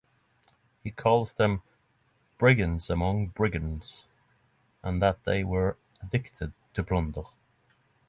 He calls them "brigands among brigands" and that they were "addicted to plunder".